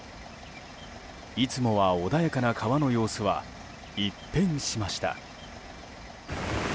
いつもは穏やかな川の様子は一変しました。